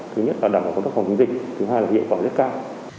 thứ nhất là đảm bảo công tác phòng chống dịch thứ hai là hiệu quả rất cao